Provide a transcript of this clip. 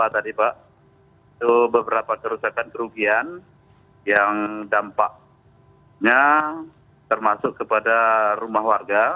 tadi pak beberapa kerusakan kerugian yang dampaknya termasuk kepada rumah warga